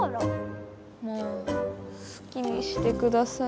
もうすきにしてください。